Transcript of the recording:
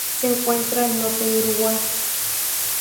Se encuentra al norte del Uruguay.